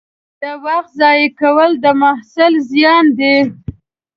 د وخت ضایع کول د محصل زیان دی.